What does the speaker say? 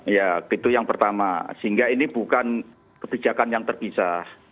ya itu yang pertama sehingga ini bukan kebijakan yang terpisah